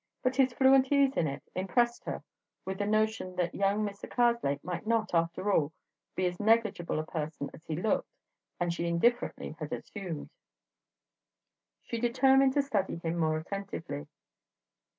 But his fluent ease in it impressed her with the notion that young Mr. Karslake might not, after all, be as negligible a person as he looked and as she indifferently had assumed. She determined to study him more attentively.